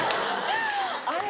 あれ？